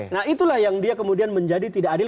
nah itulah yang dia kemudian menjadi tidak adil